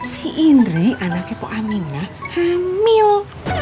si indri anaknya itu aminah hamil